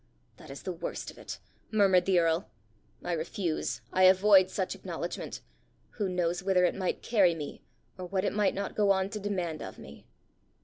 "That is the worst of it!" murmured the earl. "I refuse, I avoid such acknowledgment! Who knows whither it might carry me, or what it might not go on to demand of me!"